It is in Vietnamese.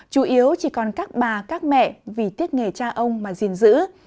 chủ yếu chỉ còn các bà các mẹ vì tiếc nghề cha ông mà gìn giữ